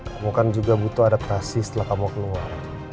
kamu kan juga butuh adaptasi setelah kamu keluar